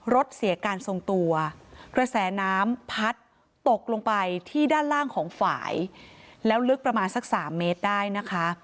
รถเสียการทรงตัวกระแสน้ำพัดตกลงไปที่ด้านล่างของฝ่ายแล้วลึกประมาณสักสามเมตรได้นะคะ